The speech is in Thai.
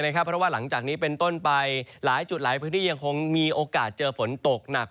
เพราะว่าหลังจากนี้เป็นต้นไปหลายจุดหลายพื้นที่ยังคงมีโอกาสเจอฝนตกหนัก